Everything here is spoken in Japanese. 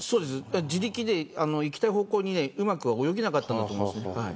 自力で行きたい方向にうまく泳げなかったんだと思います。